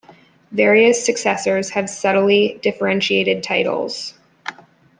Various successors have subtly differentiated titles.